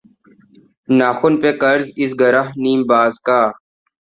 ناخن پہ قرض اس گرہ نیم باز کا